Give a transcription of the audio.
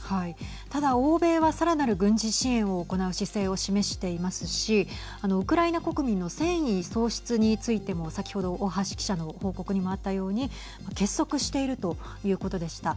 ただ欧米は、さらなる軍事支援を行う姿勢を示していますしウクライナ国民の戦意喪失についても先ほど大橋記者の報告にもあったように結束しているということでした。